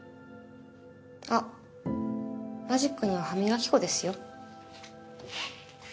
あっマジックには歯磨き粉ですよ。